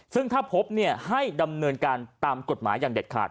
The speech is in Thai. ซึ่งถ้าพบให้ดำเนินการตามกฎหมายอย่างเด็ดขาด